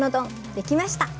できました。